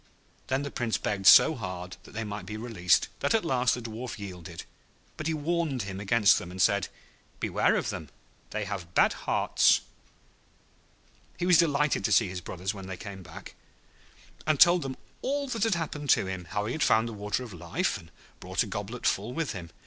Then the Prince begged so hard that they might be released that at last the Dwarf yielded; but he warned him against them, and said, 'Beware of them; they have bad hearts.' [Illustration: {Good Dwarf, can you not tell me where my brothers are?}] He was delighted to see his brothers when they came back, and told them all that had happened to him; how he had found the Water of Life, and brought a goblet full with him.